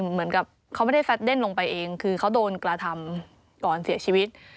เหมือนกับเขาไม่ได้ฟัดเด้นลงไปเองคือเขาโดนกระทำก่อนเสียชีวิต